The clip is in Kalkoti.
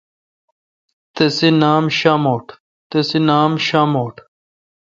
تسے نام شاموٹ۔